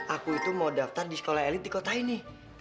aku itu mau daftar di sekolah elit di kota ini